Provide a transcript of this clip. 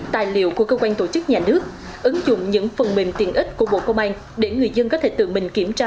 tài liệu của cơ quan tổ chức nhà nước ứng dụng những phần mềm tiện ích của bộ công an để người dân có thể tự mình kiểm tra